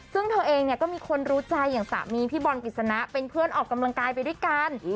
ซึ่งเธอเองเนี่ยก็มีคนรู้ใจอย่างสามีพี่บอลกฤษณะเป็นเพื่อนออกกำลังกายไปด้วยกัน